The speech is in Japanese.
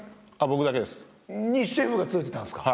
僕だけです。にシェフがついてたんですか？